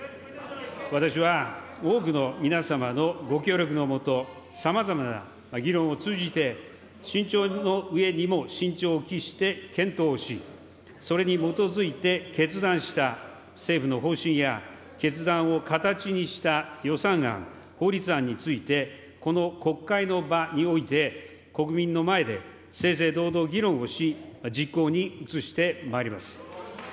私は多くの皆様のご協力の下、さまざまな議論を通じて、慎重の上にも慎重を期して検討し、それに基づいて決断した政府の方針や決断を形にした予算案、法律案についてこの国会の場において、国民の前で正々堂々議論をし、実行に移してまいります。